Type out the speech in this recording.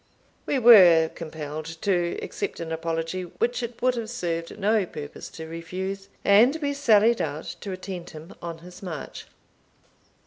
We were compelled to accept an apology which it would have served no purpose to refuse, and we sallied out to attend him on his march.